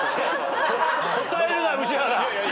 答えるな宇治原。